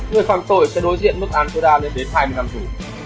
người phạt tội sẽ đối diện mức an tố đa đến hai mươi năm tù